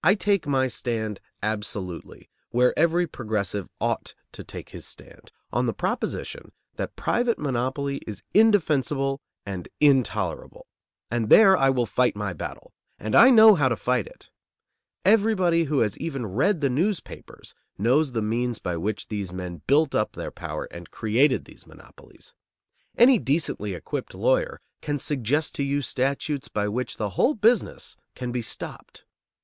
I take my stand absolutely, where every progressive ought to take his stand, on the proposition that private monopoly is indefensible and intolerable. And there I will fight my battle. And I know how to fight it. Everybody who has even read the newspapers knows the means by which these men built up their power and created these monopolies. Any decently equipped lawyer can suggest to you statutes by which the whole business can be stopped.